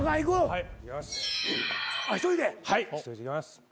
はい１人でいきます。